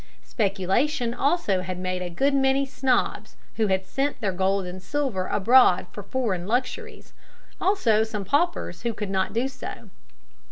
Speculation also had made a good many snobs who had sent their gold and silver abroad for foreign luxuries, also some paupers who could not do so.